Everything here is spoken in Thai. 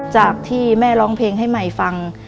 จากที่แม่ร้องเพลงให้ใหม่ฟัง